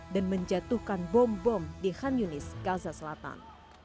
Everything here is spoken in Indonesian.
dan menjatuhkan bom bom di khan yunis gaza selatan